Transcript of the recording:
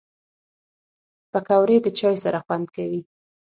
پکورې د چای سره خوند کوي